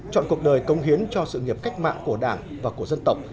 chọn cuộc đời công hiến cho sự nghiệp cách mạng của đảng và của dân tộc